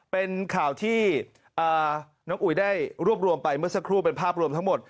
เป็นข่าวที่น้องอุ๋ยได้รวบรวมไปเมื่อสักครู่เป็นภาพรวมทั้งหมด